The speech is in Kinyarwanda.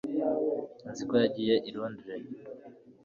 nzi ko yagiye i londres